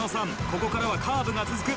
ここからはカーブが続く。